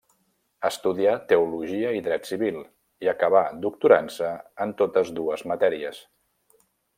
Estudià teologia i dret civil, i acabà doctorant-se en totes dues matèries.